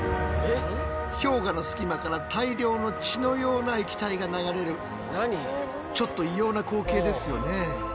氷河の隙間から大量の血のような液体が流れるちょっと異様な光景ですよね？